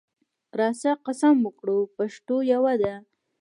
راسه قسم وکړو پښتو یوه ده